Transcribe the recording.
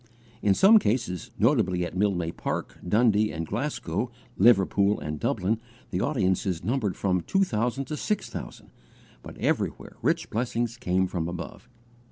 In some cases, notably at Mildmay Park, Dundee and Glasgow, Liverpool and Dublin, the audiences numbered from two thousand to six thousand, but everywhere rich blessing came from above.